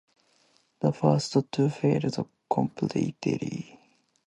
The first two failed completely.